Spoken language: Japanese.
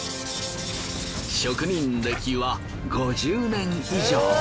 職人歴は５０年以上。